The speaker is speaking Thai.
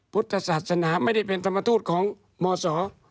พุทธศาสนาไม่ได้เป็นธรรมทูตของมศ